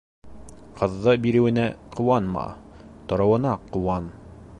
Ҡыҙҙы биреүеңә ҡыуанма, тороуына ҡыуан.